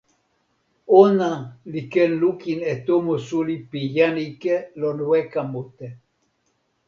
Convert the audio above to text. ona li ken lukin e tomo suli pi jan ike lon weka mute.